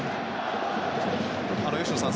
吉野さん